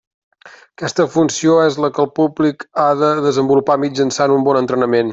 Aquesta funció és la que el públic ha de desenvolupar mitjançant un bon entrenament.